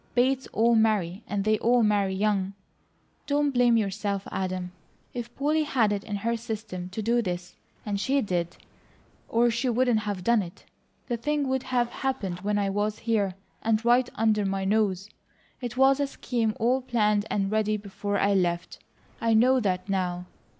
Bates all marry; and they all marry young. Don't blame yourself, Adam. If Polly had it in her system to do this, and she did, or she wouldn't have done it, the thing would have happened when I was here, and right under my nose. It was a scheme all planned and ready before I left. I know that now.